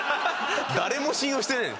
誰も信用してない。